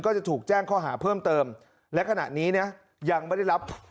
ก็จะถูกแจ้งข้อหาเพิ่มเติมและขณะนี้นะยังไม่ได้รับ